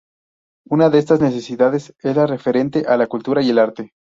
Una de estas necesidades es la referente a la cultura y el arte.